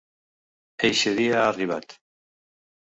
Eixe dia ha arribat.